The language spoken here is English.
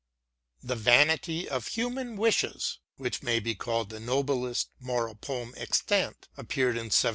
" The Vanity of Human Wishes," which may be called the noblest moral poem extant, appeared in 1749.